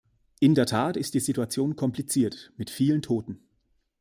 In der Tat ist die Situation kompliziert, mit vielen Toten.